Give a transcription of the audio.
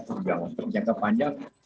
untuk jangka panjang